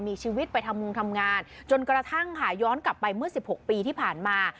มีชีวิตไปทำงงทำงานจนกระทั่งค่ะย้อนกลับไปเมื่อ๑๖ปีที่ผ่านมา